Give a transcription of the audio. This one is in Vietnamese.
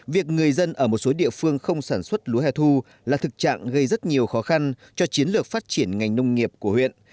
việc người dân ở một số địa phương không sản xuất lúa hẻ thu là thực trạng gây rất nhiều khó khăn cho chiến lược phát triển ngành nông nghiệp của huyện